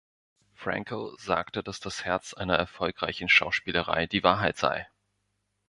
Frankel sagte, dass das Herz einer erfolgreichen Schauspielerei die Wahrheit sei.